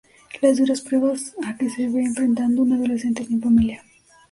Las duras pruebas a que se ve enfrentado un adolescente sin familia.